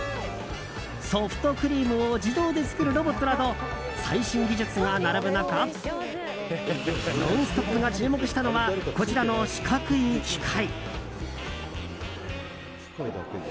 ソフトクリームを自動で作るロボットなど最新技術が並ぶ中「ノンストップ！」が注目したのはこちらの四角い機械。